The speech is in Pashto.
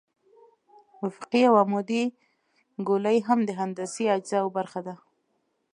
افقي او عمودي ګولایي هم د هندسي اجزاوو برخه ده